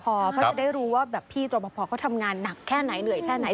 เพราะจะได้รู้ว่าแบบพี่รอปภเขาทำงานหนักแค่ไหนเหนื่อยแค่ไหน